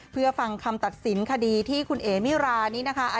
เพื่อฟังคำตัดสินคดีที่คุณเอ๋มิรานี่นะคะ